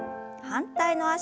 反対の脚。